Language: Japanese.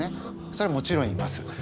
それはもちろんいます。